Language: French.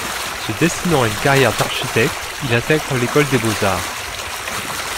Se destinant à une carrière d'architecte, il intègre l’École des Beaux-arts.